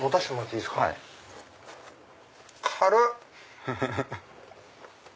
軽っ！